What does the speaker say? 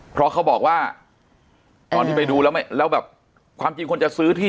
เพราะเขาบอกว่าตอนที่ไปดูแล้วแบบความจริงคนจะซื้อที่